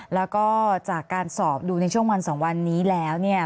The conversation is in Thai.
แล้วก็จากการสอบดูในช่วงวัน๒วันนี้แล้วเนี่ย